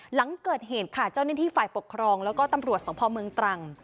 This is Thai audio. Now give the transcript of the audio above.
หลังเกิดเหตุค่ะเจ้าหน้าที่ฝ่ายปกครองแล้วก็ตำรวจสมภาพเมืองตรัง